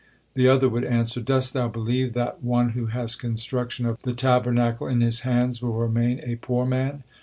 The other would answer: "Dost thou believe that one who has construction of the Tabernacle in his hands will remain a poor man?"